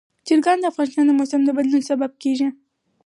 چرګان د افغانستان د موسم د بدلون سبب کېږي.